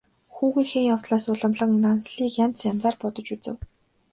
Хүүгийнхээ явдлаас уламлан Нансалыг янз янзаар бодож үзэв.